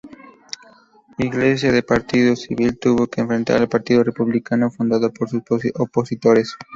Yglesias, del Partido Civil, tuvo que enfrentar al Partido Republicano fundado por sus opositores.